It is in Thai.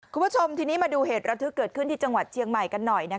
คุณผู้ชมทีนี้มาดูเหตุระทึกเกิดขึ้นที่จังหวัดเชียงใหม่กันหน่อย